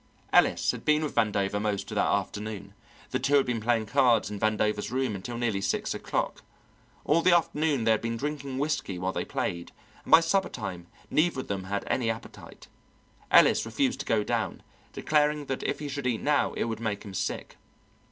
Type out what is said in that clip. Ellis had been with Vandover most of that afternoon, the two had been playing cards in Vandover's room until nearly six o'clock. All the afternoon they had been drinking whisky while they played, and by supper time neither of them had any appetite. Ellis refused to go down, declaring that if he should eat now it would make him sick.